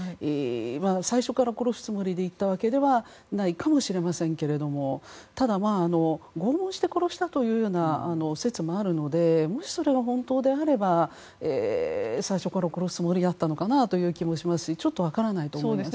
最初から殺すつもりでいった可能性もないかもしれませんがただ、拷問して殺したというような説もあるのでもし、それが本当であれば最初から殺すつもりだったのかなという気もしますしちょっと分からないところがあります。